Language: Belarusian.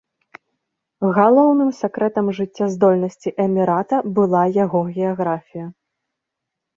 Галоўным сакрэтам жыццяздольнасці эмірата была яго геаграфія.